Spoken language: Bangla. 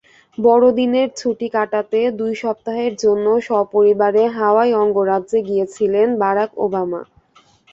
বড়দিনের ছুটি কাটাতে দুই সপ্তাহের জন্য সপরিবারে হাওয়াই অঙ্গরাজ্যে গিয়েছিলেন বারাক ওবামা।